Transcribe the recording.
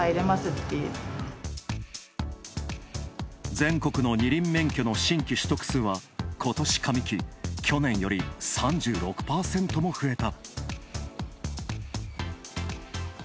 全国の二輪免許の新規取得数はことし上期、去年より３６％も増えた。